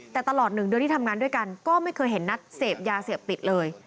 แต่ตลอด๑เดือนที่ทำงานด้วยกันก็ไม่เคยเห็นนัดเสพยาเสพติดเลย